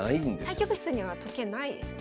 対局室には時計ないですね。